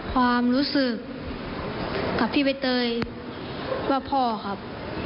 ความรู้สึกกับพี่ใบเตยว่าพ่อครับ